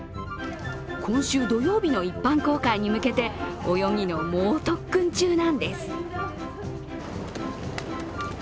今週土曜日の一般公開に向けて泳ぎの猛特訓中なんです。